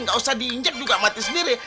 gak usah diinjek juga mati sendiri